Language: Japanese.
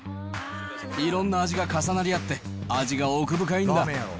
いろんな味が重なり合って、味が奥深いんだ。